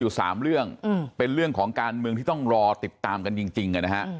๓เรื่องเป็นเรื่องของการเมืองที่ต้องรอติดตามกันจริงนะฮะ